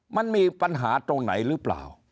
มันมีปัญหาตรงไหนหรือเปล่า